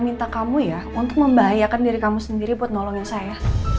minta kamu ya untuk membahayakan diri kamu sendiri buat nolongin saya